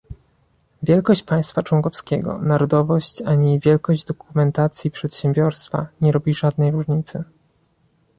Wielkość państwa członkowskiego, narodowość ani wielkość dokumentacji przedsiębiorstwa nie robi żadnej różnicy